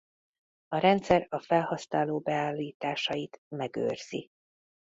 A rendszer a felhasználó beállításait megőrzi.